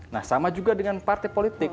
nah sama juga dengan partai politik